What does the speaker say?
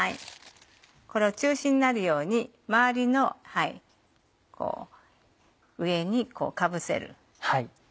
中心になるように周りの上にこうかぶせる。